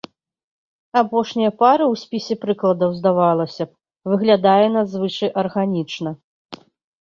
Апошняя пара ў спісе прыкладаў, здавалася б, выглядае надзвычай арганічна.